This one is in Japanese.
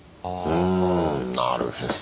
うんなるへそ。